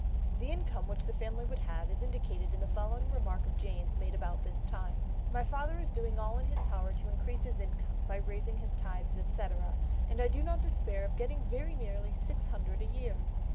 The income which the family would have is indicated in the following remark of Jane's made about this time: "My father is doing all in his power to increase his income, by raising his tithes, etc., and I do not despair of getting very nearly six hundred a year."